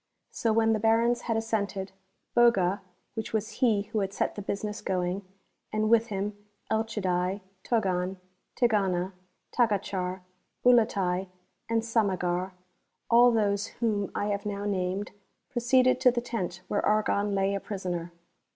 So when the Barons had assented, Bog.v (which was he who had set tlic business going), and with him Elchid.vi, Toc.an, Tkcjana, Taoacuak, Ulatai, and Sama(;ak, — all those whom 1 have now named, — proceeded to the tent where Argon lay a j)risoner.